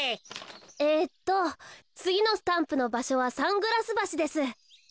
えっとつぎのスタンプのばしょはサングラスばしです。